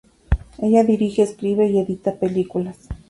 Ella dirige, escribe y edita películas.